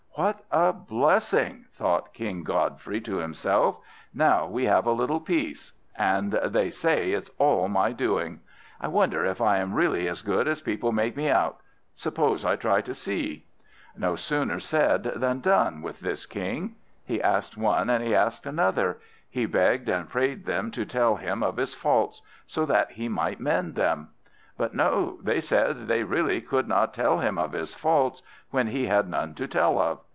"What a blessing!" thought King Godfrey to himself. "Now we have a little peace. And they say it's all my doing! I wonder if I am really as good as people make me out. Suppose I try to see?" No sooner said than done with this King. He asked one and he asked another; he begged and prayed them to tell him of his faults, so that he might mend them; but no, they said they really could not tell him of his faults, when he had none to tell of.